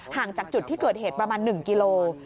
ห่างจากจุดที่เกิดเหตุประมาณ๑กิโล